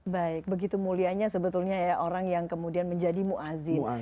baik begitu mulianya sebetulnya ya orang yang kemudian menjadi mu'adhin